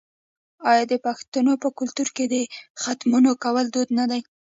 آیا د پښتنو په کلتور کې د ختمونو کول دود نه دی؟